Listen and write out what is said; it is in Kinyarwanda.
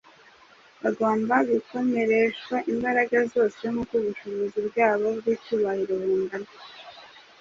bagomba “gukomereshwa imbaraga zose, nk’uko ubushobozi bwayo bw’icyubahiro bungana.”